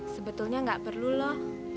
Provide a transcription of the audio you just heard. sebetulnya gak perlu loh